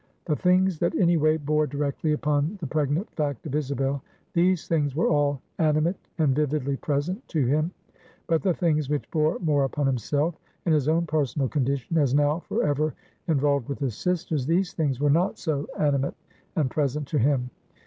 The things that any way bore directly upon the pregnant fact of Isabel, these things were all animate and vividly present to him; but the things which bore more upon himself, and his own personal condition, as now forever involved with his sister's, these things were not so animate and present to him.